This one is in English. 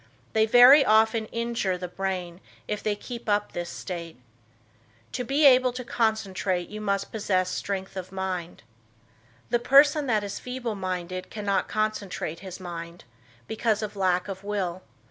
They very often injure the brain, if they keep up this state. To be able to concentrate you must possess strength of mind. The person that is feeble minded cannot concentrate his mind, because of lack of will.